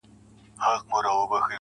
د مقدسي فلسفې د پيلولو په نيت,